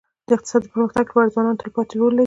د اقتصاد د پرمختګ لپاره ځوانان تلپاتې رول لري.